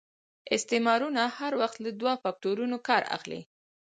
استعمارونه هر وخت له دوه فکټورنو کار اخلي.